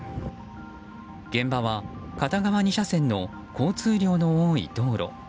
現場は片側２車線の交通量の多い道路。